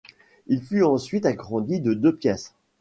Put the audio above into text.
Il fut ensuite agrandi de deux pièces.